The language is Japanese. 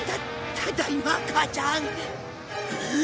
ただいま母ちゃん。